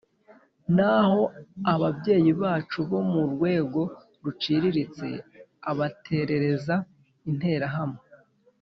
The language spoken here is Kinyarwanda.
naho ababyeyi bacu bo mu rwego ruciriritse abaterereza interahamwe.